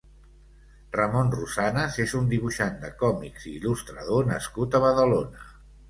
Ramon Rosanas és un dibuixant de còmics i il·lustrador nascut a Badalona.